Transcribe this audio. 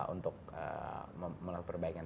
untuk melakukan perbaikan